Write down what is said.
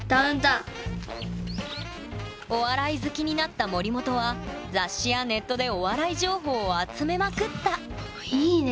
お笑い好きになった森本は雑誌やネットでお笑い情報を集めまくったいいね